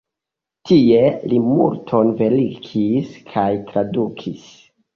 Tie li multon verkis kaj tradukis.